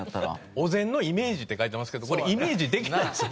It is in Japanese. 「お膳のイメージ」って書いてますけどこれイメージできないですよ。